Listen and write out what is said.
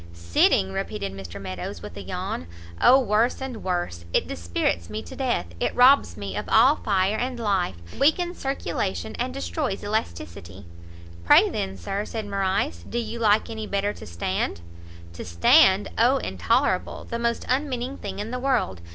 "Sitting!" repeated Mr Meadows, with a yawn, "O worse and worse! it dispirits me to death! it robs me of all fire and life! it weakens circulation, and destroys elasticity." "Pray then, Sir," said Morrice, "do you like any better to stand?" "To stand? O intolerable! the most unmeaning thing in the world!